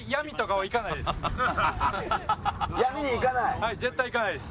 はい絶対行かないです。